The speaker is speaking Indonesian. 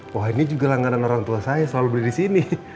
wah ini juga langganan orang tua saya selalu beli disini